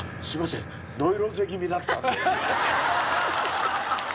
ノイローゼ気味だったんで。